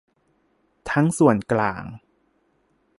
ทั้งส่วนกลาง